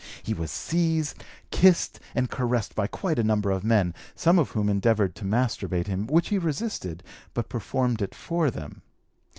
He was seized, kissed, and caressed by quite a number of men, some of whom endeavored to masturbate him, which he resisted, but performed it for them.